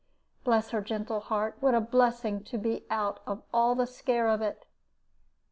Bless her gentle heart, what a blessing to be out of all that scare of it!